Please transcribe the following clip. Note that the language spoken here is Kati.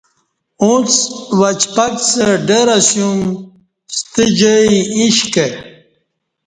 اݩڅ وچپکڅہ ڈر اسیوم ستہ جائ ایݩش کہ